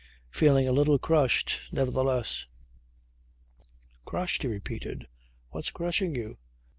. feeling a little crushed, nevertheless." "Crushed!" he repeated. "What's crushing you?"